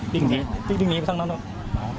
ตอนนั้นเขาก็เลยรีบวิ่งออกมาดูตอนนั้นเขาก็เลยรีบวิ่งออกมาดู